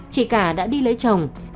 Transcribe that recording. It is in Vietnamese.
chị cả đã đi lấy chồng